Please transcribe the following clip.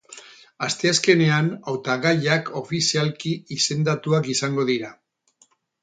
Asteazkenean hautagaiak ofizialki izendatuak izango dira.